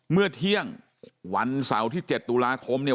เมื่อเที่ยงวันเสาร์ที่๗ตุลาคมเนี่ย